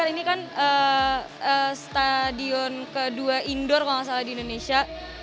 ini kan stadion kedua indoor kalau nggak salah di indonesia